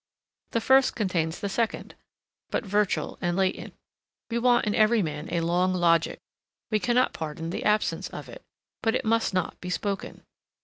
The first contains the second, but virtual and latent. We want in every man a long logic; we cannot pardon the absence of it, but it must not be spoken.